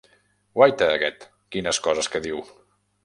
Guaita, aquest, quines coses que diu!